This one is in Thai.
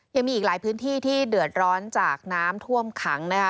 ยังมีอีกหลายพื้นที่ที่เดือดร้อนจากน้ำท่วมขังนะคะ